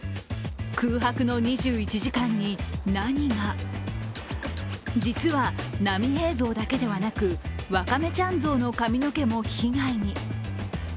空白の２１時間に何が実は波平像だけでなく、ワカメちゃん像の髪の毛も被害に。